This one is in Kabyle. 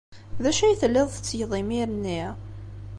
D acu ay telliḍ tettgeḍ imir-nni?